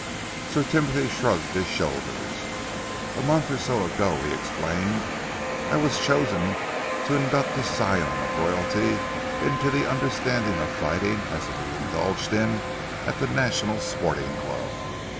Sir Timothy shrugged his shoulders. "A month or so ago," he explained, "I was chosen to induct a scion of Royalty into the understanding of fighting as it is indulged in at the National Sporting Club.